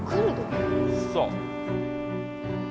そう。